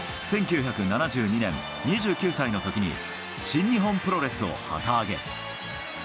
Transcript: １９７２年、２９歳のときに新日本プロレスを旗揚げ。